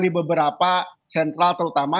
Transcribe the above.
di beberapa sentral terutama